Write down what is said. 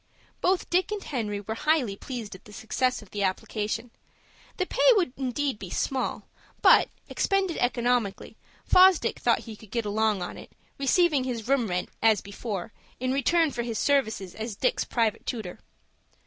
Both Dick and Henry were highly pleased at the success of the application. The pay would indeed be small, but, expended economically, Fosdick thought he could get along on it, receiving his room rent, as before, in return for his services as Dick's private tutor.